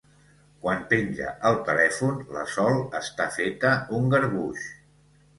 Quan penja el telèfon la Sol està feta un garbuix.